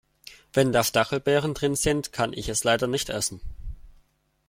Wenn da Stachelbeeren drin sind, kann ich es leider nicht essen.